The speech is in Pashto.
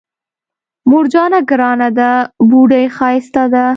مور جانه ګرانه ده بوډۍ ښايسته ده